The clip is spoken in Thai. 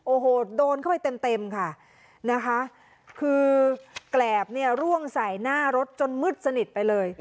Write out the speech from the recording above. โอ้โหโดนเข้าไปเต็มเต็มค่ะนะคะคือแกรบเนี่ยร่วงใส่หน้ารถจนมืดสนิทไปเลย